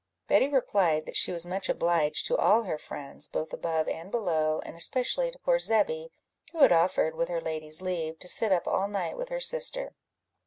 Betty replied, that she was much obliged to all her friends, both above and below, and especially to poor Zebby, who had offered, with her lady's leave, to sit up all night with her sister.